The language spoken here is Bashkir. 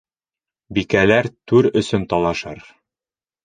Бикәләр түр өсөн талашыр.